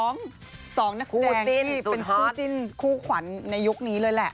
๒นักแสดงที่เป็นคู่จีนคู่ขวัญในยุคนี้เลยนะครับ